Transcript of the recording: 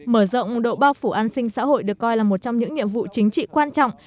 mở rộng độ bao phủ an sinh xã hội được coi là một trong những nhiệm vụ chính trị quan trọng